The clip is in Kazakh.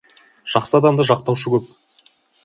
Жақсы адамды жақтаушы көп.